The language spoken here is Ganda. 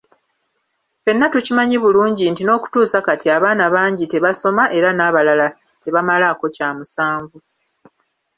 Ffenna tukimanyi bulungi nti n'okutuusa kati abaana bangi tebasoma era n'abalala tebamalaako kya musanvu.